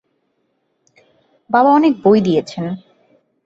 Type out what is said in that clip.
বাবা অনেক বই দিয়েছেন।